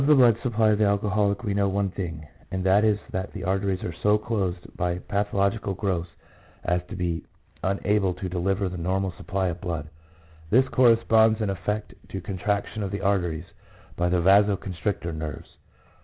159 blood supply of the alcoholic we know one thing, and that is that the arteries are so closed by patho logical growths, as to be unable to deliver the normal supply of blood. This corresponds in effect to contraction of the arteries by the vaso constrictor nerves.